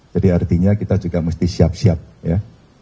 jadi artinya kita juga mesti siap siap ya